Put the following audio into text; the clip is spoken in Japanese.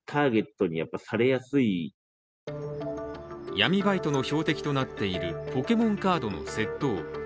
闇バイトの標的となっているポケモンカードの窃盗。